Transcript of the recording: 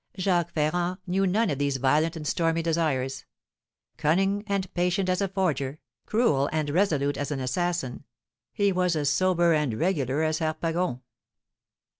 Jacques Ferrand knew none of these violent and stormy desires; cunning and patient as a forger, cruel and resolute as an assassin, he was as sober and regular as Harpagon.